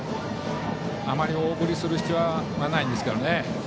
あまり大振りする必要はないんですけどね。